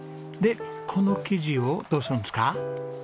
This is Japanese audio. でこの生地をどうするんですか？